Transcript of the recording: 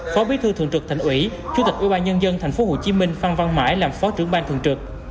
phó bí thư thượng trực thành ủy chủ tịch ubnd tp hcm phan văn mãi làm phó trưởng bang thượng trực